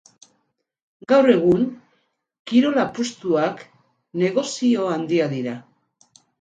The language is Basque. Gaur egun kirol apustuak negozio handia dira.